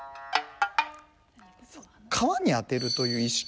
皮に当てるという意識で。